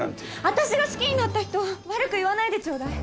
私が好きになった人を悪く言わないでちょうだい。